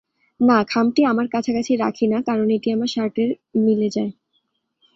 না খামটি আমার কাছাকাছি রাখি না কারন এটি আমার শার্টের মিলে যায়।